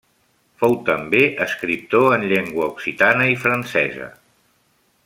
Fou també escriptor en llengua occitana i francesa.